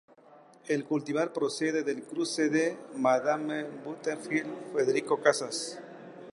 El cultivar procede del cruce de 'Madame Butterfly' x 'Federico Casas'.